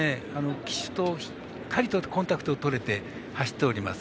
騎手とぴったりとコンタクトをとれて走れています。